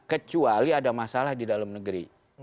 kecuali ada masalah di dalam negeri